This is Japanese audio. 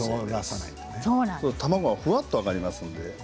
卵がふわっと上がりますので。